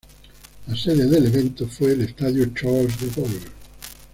La sede del evento fue el Estadio Charles de Gaulle.